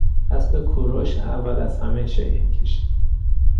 اسب کورش اول از همه شیهه کشید.